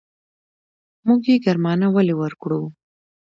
موږ يې ګرمانه ولې ورکړو.